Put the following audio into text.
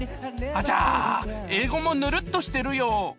あちゃ英語もヌルッとしてるよ。